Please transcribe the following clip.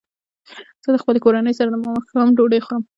زه د خپلې کورنۍ سره د ماښام ډوډۍ خورم.